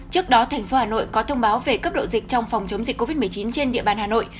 trước đó thành phố hà nội có thông báo về cấp độ dịch trong phòng chống dịch covid một mươi chín trên địa bàn hà nội